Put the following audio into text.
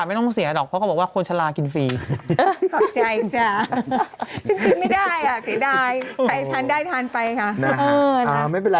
เขียนว่า๑๒๐เจ๋งปะล่ะ